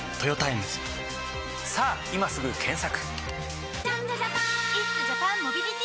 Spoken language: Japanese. さぁ今すぐ検索！